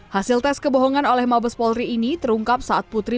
hasil tes kebohongan oleh mabes polri ini terungkap saat putri